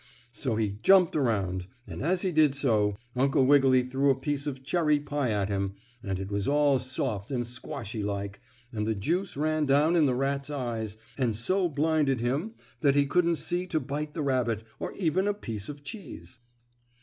So he jumped around, and, as he did so, Uncle Wiggily threw a piece of cherry pie at him, and it was all soft and squashy like, and the juice ran down in the rat's eyes, and so blinded him that he couldn't see to bite the rabbit, or even a piece of cheese.